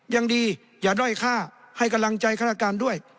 ยังดีอย่าด้อยค่าให้กำลังใจฆาตการด้วย